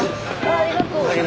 あありがとう。